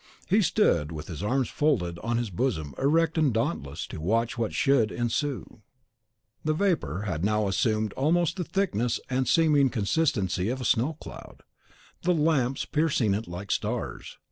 He stood, with his arms folded on his bosom erect and dauntless, to watch what should ensue. The vapour had now assumed almost the thickness and seeming consistency of a snow cloud; the lamps piercing it like stars.